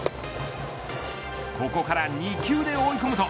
ここから２球で追い込むと。